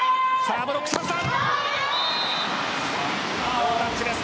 ノータッチです。